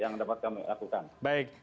yang dapat kami lakukan